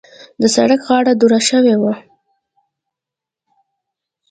د سړک غاړه دوړه شوې وه.